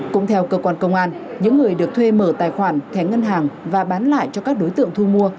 cũng theo cơ quan công an những người được thuê mở tài khoản thẻ ngân hàng và bán lại cho các đối tượng thu mua